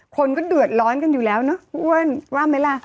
คนก็เดือดร้อนกันอยู่แล้วเนอะอ้วนว่าไหมล่ะ